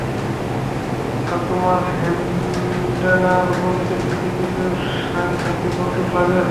আর তোমার হ্যান্ডলার বলছে কিছু কিছু সংঘাতে বন্দুক লাগে।